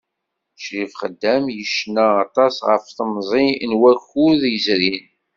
Ccrif Xeddam yecna aṭas ɣef temẓi d wakud izerrin.